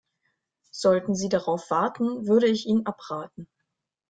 Sollten Sie darauf warten, würde ich Ihnen abraten.